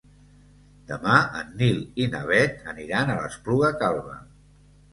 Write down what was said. Demà en Nil i na Bet aniran a l'Espluga Calba.